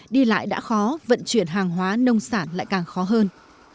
đi lại đã khó vận chuyển hàng hóa nông sản lại càng khó hơn